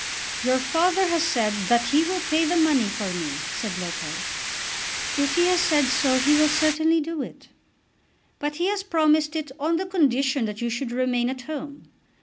"Your father has said that he will pay the money for me," said Lopez. "If he has said so he certainly will do it." "But he has promised it on the condition that you should remain at home.